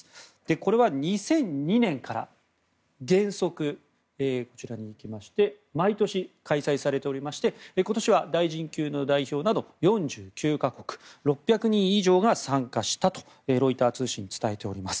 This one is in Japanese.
これは２００２年から原則、毎年開催されていまして今年は大臣級の代表など４９か国６００人以上が参加したとロイター通信は伝えております。